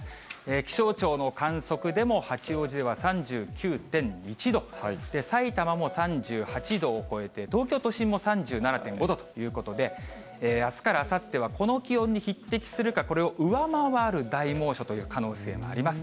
気象庁の観測でも八王子は３９．１度、さいたまも３８度を超えて、東京都心も３７．５度ということで、あすからあさっては、この気温に匹敵するか、これを上回る大猛暑という可能性もあります。